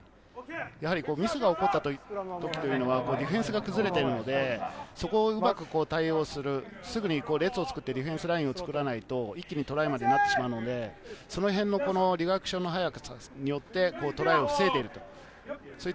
やはりミスが起こったというのはディフェンスが崩れているので、そこをうまく対応する、すぐに列を作ってディフェンスラインを作らないと一気にトライまでなってしまうので、そのあたりのリアクションの早さによって防いでいる。